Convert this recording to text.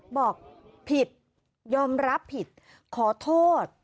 บอกผิดยอมรับผิดขอโทษ